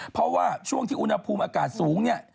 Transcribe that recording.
เพราะว่าช่วงที่อุณหภูมิอากาศสูงเนี่ย